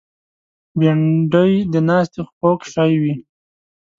بېنډۍ د ناستې خوږ شی وي